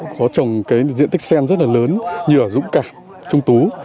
có trồng cái diện tích sen rất là lớn nhờ dũng cảm trung tú